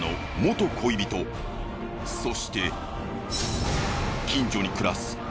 そして。